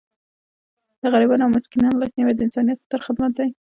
د غریبانو او مسکینانو لاسنیوی د انسانیت ستر خدمت دی.